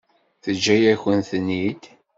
Teǧǧa-yakent-ten-id?